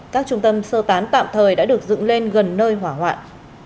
các trung tâm sơ tán tạm thời đã được dựng lên gần nơi hỏa hoạn